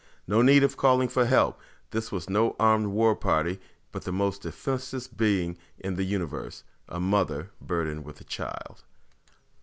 No need of calling for help. This was no armed war party, but the most defenseless being in the Universe a mother burdened with a child.